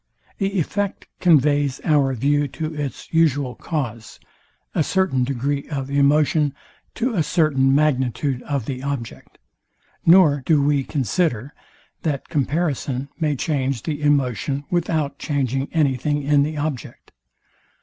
The effect conveys our view to its usual cause, a certain degree of emotion to a certain magnitude of the object; nor do we consider, that comparison may change the emotion without changing anything in the object.